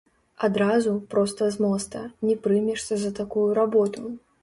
Адразу, проста з моста, не прымешся за такую работу.